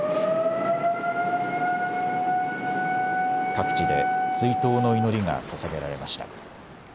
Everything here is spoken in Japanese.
各地で追悼の祈りがささげられました。